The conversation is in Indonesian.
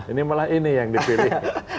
ini malah ini yang dipilih